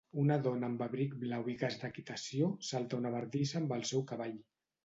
Una dona amb abric blau i casc d'equitació salta una bardissa amb el seu cavall.